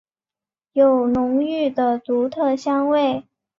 有浓郁的独特香味。